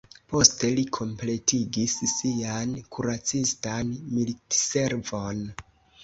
Poste li kompletigis sian kuracistan militservon.